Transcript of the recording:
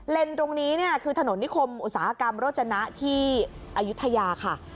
เลนจ์ตรงนี้น่ะคือถนนธิคมอุตสาหกรรมรถจานะที่อายุทธยาค่ะ